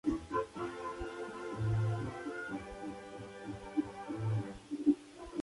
Historia de la Medicina.